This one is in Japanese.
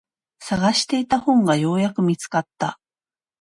探していた本がようやく見つかった。